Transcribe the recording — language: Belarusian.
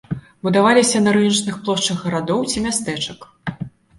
Будаваліся на рыначных плошчах гарадоў ці мястэчак.